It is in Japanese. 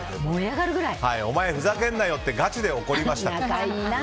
お前、ふざけるなよ！ってガチで怒りましたと。